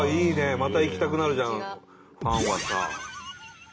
また行きたくなるじゃんファンはさ。